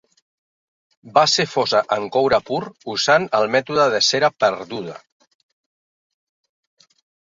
Va ser fosa en coure pur usant el mètode de cera perduda.